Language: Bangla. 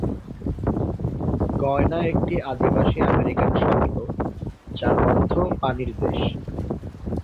গায়ানা একটি আদিবাসী আমেরিকান শব্দ, যার অর্থ "পানির দেশ"।